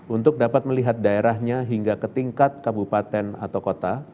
untuk dapat melihat daerahnya hingga ke tingkat kabupaten atau kota